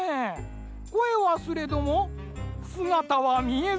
こえはすれどもすがたはみえず。